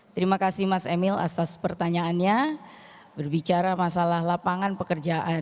terima kasih mas emil atas pertanyaannya berbicara masalah lapangan pekerjaan